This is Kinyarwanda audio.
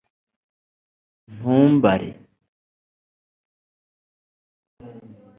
ntumbare